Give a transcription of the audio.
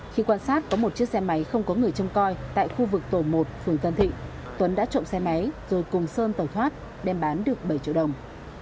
khi quan sát có một chiếc xe máy không có người trông coi tại khu vực tổ một phường tân thịnh tuấn đã trộm xe máy rồi cùng sơn tẩu thoát đem bán được bảy triệu đồng